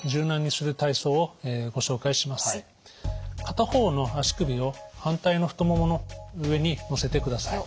片方の足首を反対の太ももの上にのせてください。